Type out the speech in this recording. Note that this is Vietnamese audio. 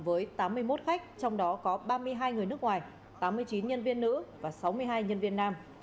với tám mươi một khách trong đó có ba mươi hai người nước ngoài tám mươi chín nhân viên nữ và sáu mươi hai nhân viên nam